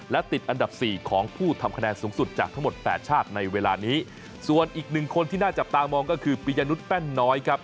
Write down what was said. และติดอันดับสี่ของผู้ทำคะแนนสูงสุดจากทั้งหมดแปดชาติในเวลานี้ส่วนอีกหนึ่งคนที่น่าจับตามองก็คือปียนุษยแป้นน้อยครับ